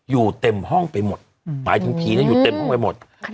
อยู่เต็มห้องไปหมดหมายถึงผีอยู่เต็มห้องไปหมด